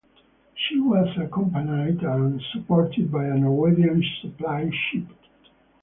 She was accompanied and supported by a Norwegian supply ship.